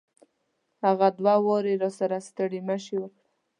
هغه دوه واري راسره ستړي مشي وکړه.